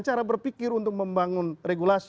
cara berpikir untuk membangun regulasi